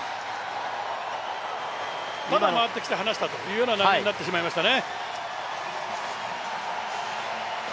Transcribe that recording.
ただ回ってきて離したという流れになってしまいましたね。